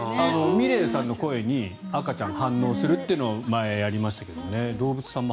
ｍｉｌｅｔさんの声に赤ちゃんが反応するというのを前やりましたけどね。